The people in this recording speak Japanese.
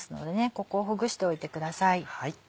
ここをほぐしておいてください。